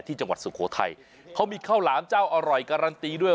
จังหวัดสุโขทัยเขามีข้าวหลามเจ้าอร่อยการันตีด้วย